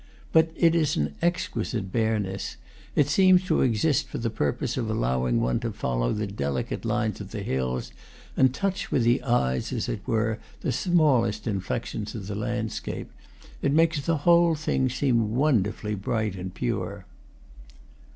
But it is an exquisite bareness; it seems to exist for the purpose of allowing one to follow the de licate lines of the hills, and touch with the eyes, as it were, the smallest inflections of the landscape. It makes the whole thing seem wonderfully bright and pure.